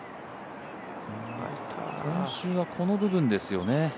今週はこの部分ですよね。